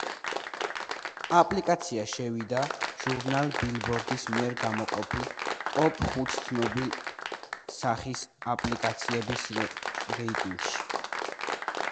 აპლიკაცია შევიდა ჟურნალ ბილბორდის მიერ გამოქვეყნებულ ტოპ ხუთი ცნობილი სახის აპლიკაციების რეიტინგში.